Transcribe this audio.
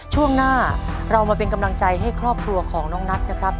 ช่วงหน้าเรามาเป็นกำลังใจให้ครอบครัวของน้องนัทนะครับ